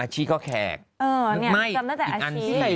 อาชีพเขาแขกอีกอันอีกอันอีกอัน